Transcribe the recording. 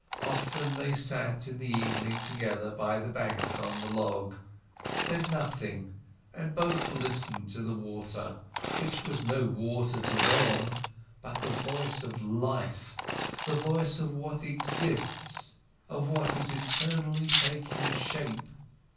Often, they sat in the evening together by the bank on the log, said nothing and both listened to the water, which was no water to them, but the voice of life, the voice of what exists, of what is eternally taking shape.